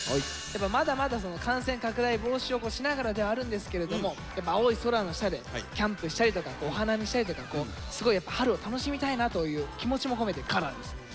まだまだ感染拡大防止をしながらではあるんですけれども青い空の下でキャンプしたりとかお花見したりとかすごい春を楽しみたいなという気持ちも込めて「ＣＯＬＯＲ」ですね。